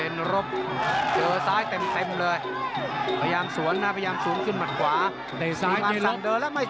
นี่นี่นี่นี่นี่นี่นี่นี่นี่นี่